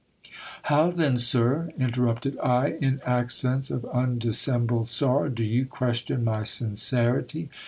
How then, sir ? interrupted I, in accents of undissembled sorrow, do you question my sincerity